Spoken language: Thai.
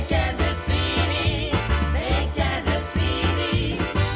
เฮ้แค่เด็ดสีดี